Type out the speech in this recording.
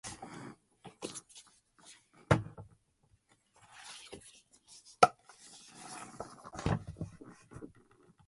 Later, Bacon's Rebellion was sparked by tensions between the natives, settlers, and indentured servants.